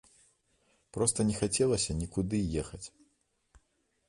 Проста не хацелася нікуды ехаць.